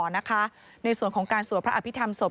ในส่วนของการสวดพระอภิษฐรรศพ